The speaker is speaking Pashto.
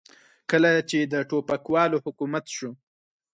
کله چې د ټوپکوالو حکومت شو.